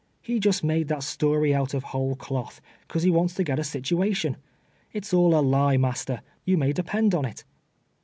He just made that sto ry out of whole cloth, 'cause he wants to get a situa tion. It's all a lie, master, you may depend on't."